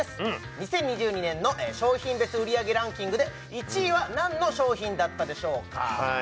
２０２２年の商品別売り上げランキングで１位は何の商品だったでしょうか